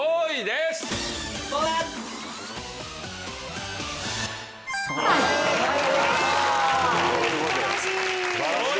すばらしい。